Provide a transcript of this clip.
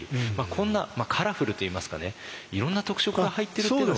こんなカラフルといいますかねいろんな特色が入ってるというのは？